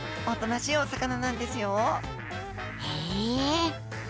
おとなしいお魚なんですよ。へえ！